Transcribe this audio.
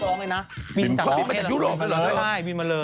พวกนี้ก็บินจากต่างประเทศหรอกบินมาเลย